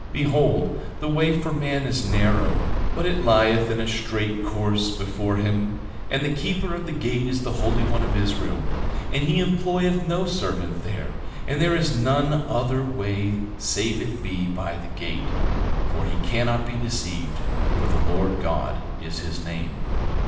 Behold, the way for man is narrow, but it lieth in a straight course before him, and the keeper of the gate is the Holy One of Israel; and he employeth no servant there; and there is none other way save it be by the gate; for he cannot be deceived, for the Lord God is his name.